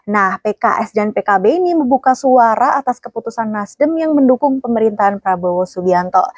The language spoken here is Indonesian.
nah pks dan pkb ini membuka suara atas keputusan nasdem yang mendukung pemerintahan prabowo subianto